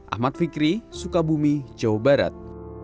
ahmad fikri sukabumi jawa barat